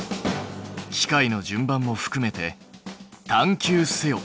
機械の順番もふくめて探究せよ！